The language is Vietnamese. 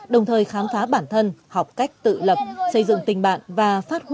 đồng thời khám phá bản thân học cách tự lập xây dựng tình bạn và phát huy